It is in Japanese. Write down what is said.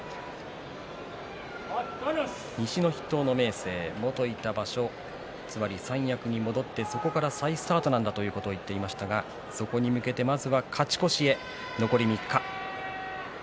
西の筆頭の明生、元いた場所つまり三役に戻ってそこから再スタートなんだということを言っていましたがそこに向けてまずは勝ち越しへ残り３日。